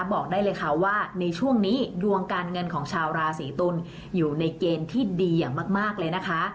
บอกได้เลยค่ะว่าในช่วงนี้ดวงการเงินของชาวราศีตุลอยู่ในเกณฑ์ที่ดีอย่างมากเลยนะคะ